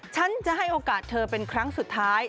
ฉันจะให้โอกาสเธอเป็นครั้งสุดท้าย